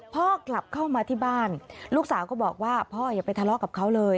กลับเข้ามาที่บ้านลูกสาวก็บอกว่าพ่ออย่าไปทะเลาะกับเขาเลย